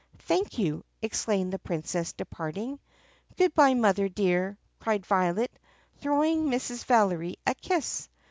"Thank you!" exclaimed the Princess departing. "Good by, Mother dear!" cried Violet throwing Mrs. Valery a kiss.